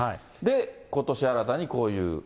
ことし、新たにこういう。